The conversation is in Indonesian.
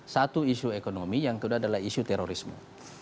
satu isu ekonomi yang kedua adalah isu terorisme